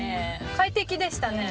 快適でしたね。